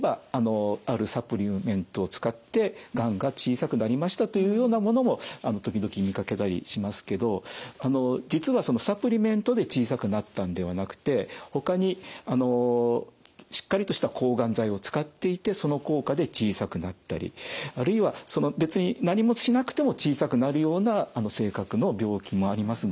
そのほかにはですね例えばというようなものも時々見かけたりしますけど実はそのサプリメントで小さくなったんではなくてほかにしっかりとした抗がん剤を使っていてその効果で小さくなったりあるいは別に何もしなくても小さくなるような性格の病気もありますので。